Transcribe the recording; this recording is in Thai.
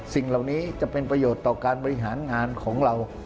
สิ่งเหล่านี้จะเป็นประโยชน์ต่อการบริหารงานของเรา